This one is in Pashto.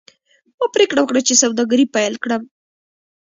ما پریکړه وکړه چې سوداګري پیل کړم.